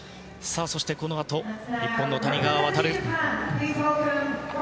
そして、このあと日本の谷川航。